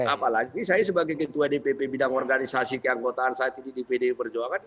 apalagi saya sebagai ketua dpp bidang organisasi keanggota dan pemerintah ya saya bisa mengundangnya